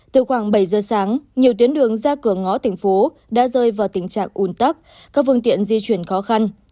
từ khoảng bảy giờ sáng nhiều tuyến đường ra cửa ngõ tỉnh phố đã rơi vào tình trạng ùn tắc các phương tiện di chuyển khó khăn